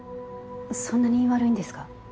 そんなに悪いんですか？